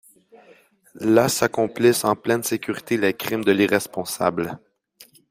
Là s’accomplissent en pleine sécurité les crimes de l’irresponsable.